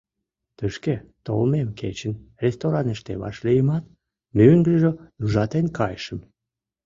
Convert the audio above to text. Тышке толмем кечын рестораныште вашлийымат, мӧҥгыжӧ ужатен кайшым.